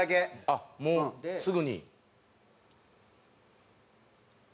あっもうすぐに。